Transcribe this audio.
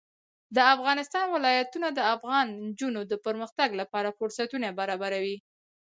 د افغانستان ولايتونه د افغان نجونو د پرمختګ لپاره فرصتونه برابروي.